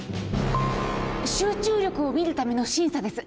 集中力を見るための審査です。